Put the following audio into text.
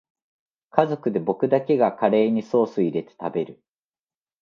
家族で僕だけがカレーにソースいれて食べる